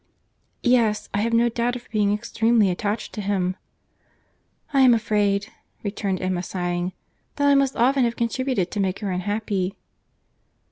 "Yes, I have no doubt of her being extremely attached to him." "I am afraid," returned Emma, sighing, "that I must often have contributed to make her unhappy."